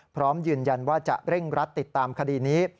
พร้อมยืนยันว่าจะเร่งรัดติดตามคดีนี้